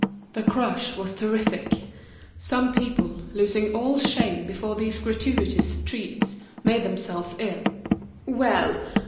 The crush was terrific. Some people, losing all shame before these gratuitous treats, made themselves ill. "Well!